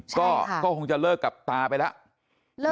ใช่ค่ะก็คงจะเลิกกับตาไปแล้ว